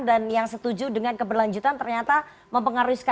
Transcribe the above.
dan yang setuju dengan keberlanjutan ternyata mempengaruhi suatu hal